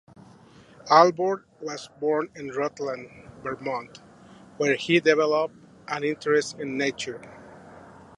Alvord was born in Rutland, Vermont, where he developed an interest in nature.